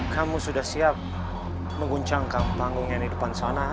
kamu sudah siap mengguncangkan panggung yang di depan sana